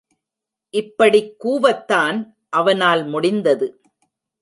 இப்படிக் கூவத்தான் அவனால் முடிந்தது!...